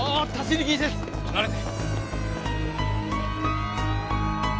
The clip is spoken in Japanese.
離れて！